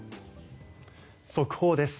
速報です。